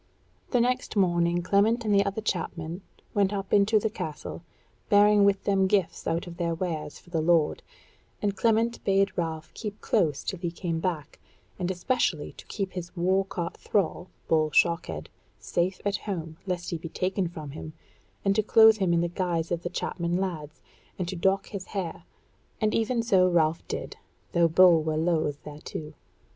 The next morning Clement and the other chapmen went up into the Castle, bearing with them gifts out of their wares for the lord, and Clement bade Ralph keep close till he came back, and especially to keep his war caught thrall, Bull Shockhead, safe at home, lest he be taken from him, and to clothe him in the guise of the chapman lads, and to dock his hair; and even so Ralph did, though Bull were loath thereto.